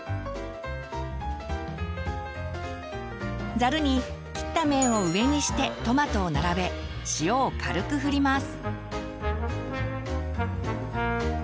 ざるに切った面を上にしてトマトを並べ塩を軽くふります。